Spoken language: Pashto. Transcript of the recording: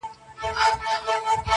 o د سکندر او رکسانې یې سره څه,